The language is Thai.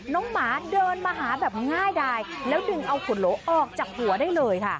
หมาเดินมาหาแบบง่ายดายแล้วดึงเอาขุดโหลออกจากหัวได้เลยค่ะ